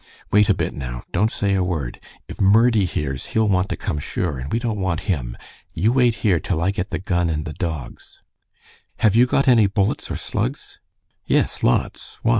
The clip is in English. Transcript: "Wait a bit now. Don't say a word. If Murdie hears he'll want to come, sure, and we don't want him. You wait here till I get the gun and the dogs." "Have you got any bullets or slugs?" "Yes, lots. Why?